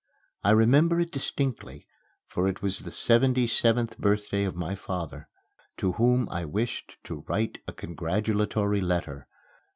I remember it distinctly for it was the seventy seventh birthday of my father, to whom I wished to write a congratulatory letter.